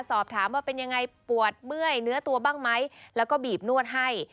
สอบถามว่าเป็นยังไงปวดเมื่อยเนื้อตัวบ้างไหมแล้วก็บีบนวดให้